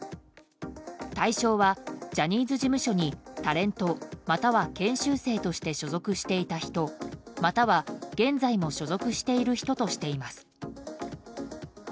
対象は、ジャニーズ事務所にタレントまたは研修生として所属していた人、または現在も所属している人としています。